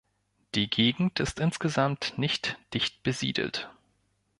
Die Gegend ist insgesamt nicht dicht besiedelt.